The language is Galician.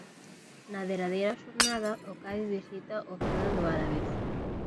Na derradeira xornada o Cádiz visita o feudo do Alavés.